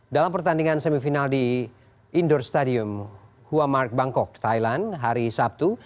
dalam pertandingan semifinal di indoor stadium huamark bangkok thailand hari sabtu